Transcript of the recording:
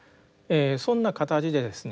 そんな形でですね